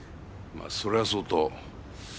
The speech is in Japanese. まあそれはそうと。